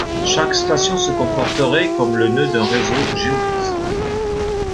Chaque station se comporterait comme le nœud d'un réseau géophysique.